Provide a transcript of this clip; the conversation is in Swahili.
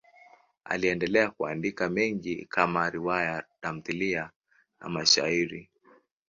Aliendelea kuandika mengi kama riwaya, tamthiliya na mashairi.